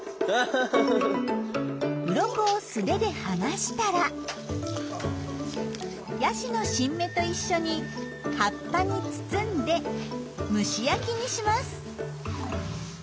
うろこを素手でがしたらヤシの新芽と一緒に葉っぱに包んで蒸し焼きにします。